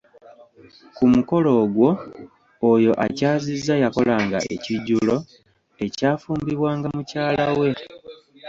Ku mukolo ogwo, oyo akyazizza yakolanga ekijjulo, ekyafumbibwanga mukyala we